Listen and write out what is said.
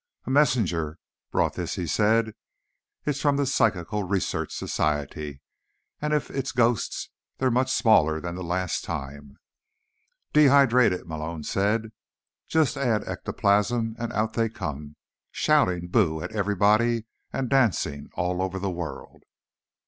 "A messenger brought this," he said. "It's from the Psychical Research Society, and if it's ghosts, they're much smaller than last time." "Dehydrated," Malone said. "Just add ectoplasm and out they come, shouting boo at everybody and dancing all over the world."